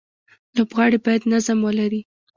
لوبغاړي باید نظم ولري.